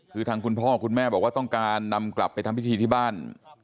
คือทางคุณพ่อคุณแม่บอกว่าต้องการนำกลับไปทำพิธีที่บ้าน